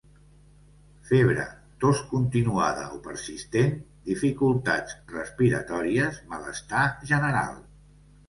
Febre, tos continuada o persistent, dificultats respiratòries, malestar general.